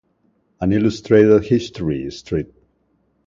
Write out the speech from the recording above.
An Illustrated History", St.